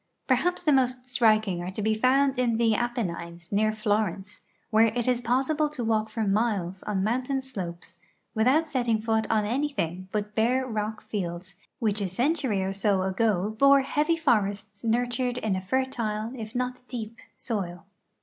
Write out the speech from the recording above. Perhaps the most striking are to be found in the Aj) enines, near Florence, where it is possible to walk for miles on mountain slopes without setting foot on anything but hare rock fields, which a century or so ago bore heavy forests nurtured in a fertile, if not deep, soil.